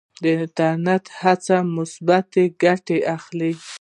د انټرنیټ څخه مثبته ګټه واخلئ.